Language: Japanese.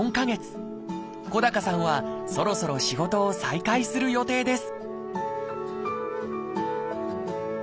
小高さんはそろそろ仕事を再開する予定です